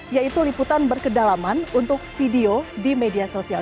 yaitu liputan berkedalaman untuk video di media sosial